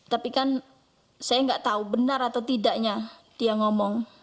tapi kan saya nggak tahu benar atau tidaknya dia ngomong